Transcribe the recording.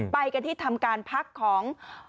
ไปกันที่ทำการพักของ